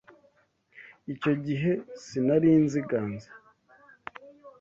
Icyo gihe sinari nzi Ganza.